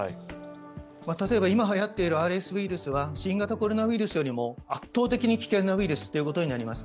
例えば、今はやっているＲＳウイルスは新型コロナウイルスよりも圧倒的に危険なウイルスということになります。